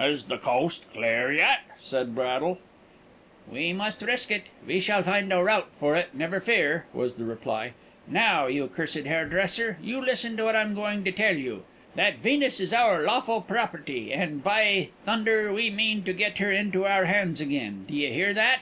"Is the coast clear yet?" said Braddle. "We must risk it. We shall find a route for it, never fear," was the reply. "Now, you cursed hairdresser, you listen to what I'm going to tell you. That Venus is our lawful property, and, by , we mean to get her into our hands again. D'ye hear that?"